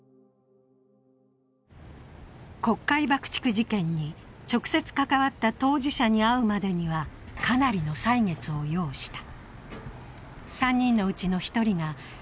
国会爆竹事件に直接関わった当事者に会うまでにはかなりの歳月を要した。